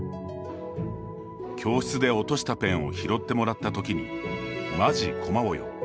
教室で落としたペンを拾ってもらったときにまじ、コマウォヨ＝